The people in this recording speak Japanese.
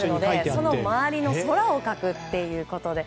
その周りの空を描くということで。